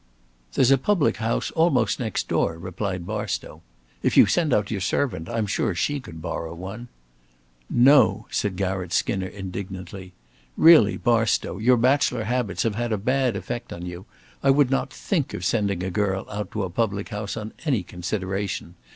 "There's a public house almost next door," replied Barstow. "If you send out your servant, I am sure she could borrow one." "No," said Garratt Skinner, indignantly. "Really, Barstow, your bachelor habits have had a bad effect on you. I would not think of sending a girl out to a public house on any consideration.